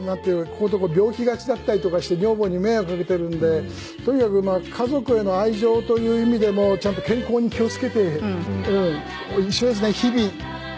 ここのとこ病気がちだったりとかして女房に迷惑かけてるのでとにかく家族への愛情という意味でもちゃんと健康に気を付けて。